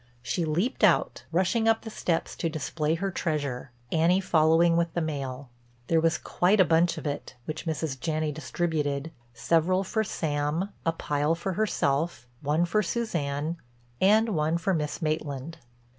She leaped out, rushing up the steps to display her treasure, Annie following with the mail. There was quite a bunch of it which Mrs. Janney distributed—several for Sam, a pile for herself, one for Suzanne and one for Miss Maitland.